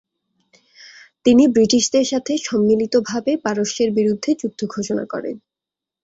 তিনি ব্রিটিশদের সাথে সম্মিলিতিভাবে পারস্যের বিরুদ্ধে যুদ্ধ ঘোষণা করেন।